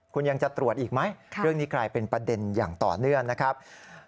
คุณยังจะตรวจอีกไหมเรื่องนี้กลายเป็นประเด็นอย่างต่อเนื่องนะครับ